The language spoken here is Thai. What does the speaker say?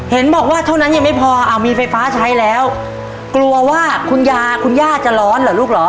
เห็นบอกว่าเท่านั้นยังไม่พอเอามีไฟฟ้าใช้แล้วกลัวว่าคุณยาคุณย่าจะร้อนเหรอลูกเหรอ